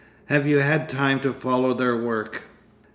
Have you had time to follow their work?